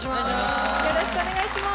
よろしくお願いします。